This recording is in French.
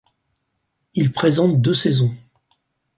Il présente deux saisons.